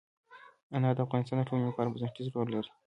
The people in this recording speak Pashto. انار د افغانستان د ټولنې لپاره بنسټيز رول لري.